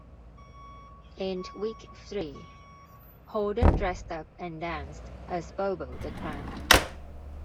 In week three, Holden dressed up and danced as Bobo the Clown.